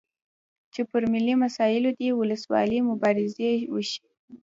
چې پر ملي مسایلو دې وسلوالې مبارزې وشي.